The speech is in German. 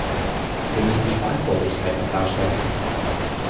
Wir müssen die Verantwortlichkeiten klarstellen.